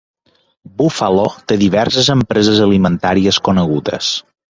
Buffalo té diverses empreses alimentàries conegudes.